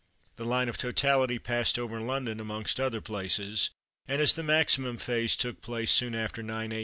The line of totality passed over London amongst other places, and as the maximum phase took place soon after 9 a.